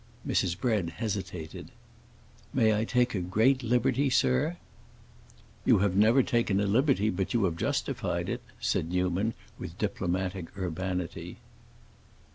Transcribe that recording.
Mrs. Bread hesitated. "May I take a great liberty, sir?" "You have never taken a liberty but you have justified it," said Newman, with diplomatic urbanity.